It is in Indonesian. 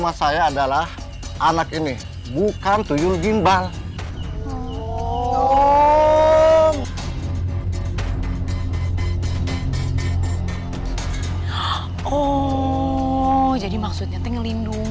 janganlah menceritakan budak budakan lu